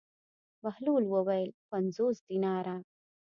بهلول وویل: پنځوس دیناره.